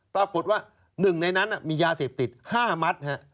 ปรากฎว่าหนึ่งในนั้นน่ะมียาเสพติด๕มัตต์ฮะ